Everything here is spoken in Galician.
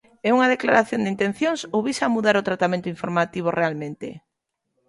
É unha declaración de intencións ou visa mudar o tratamento informativo realmente?